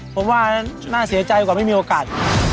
ผมว่าน่าเสียใจกว่าไม่มีโอกาส